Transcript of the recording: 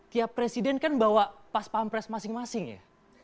tiap presiden kan bawa pas pampres masing masing ya